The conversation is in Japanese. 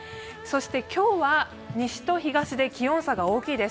今日は西と東で気温差が大きいです。